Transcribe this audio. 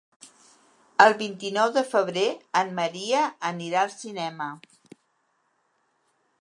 El vint-i-nou de febrer en Maria anirà al cinema.